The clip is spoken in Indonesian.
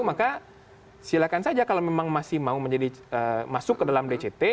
maka silakan saja kalau memang masih mau masuk ke dalam dct